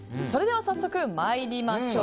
早速参りましょう。